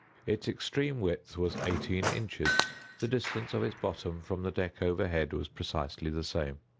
Its extreme width was eighteen inches. The distance of its bottom from the deck overhead was precisely the same.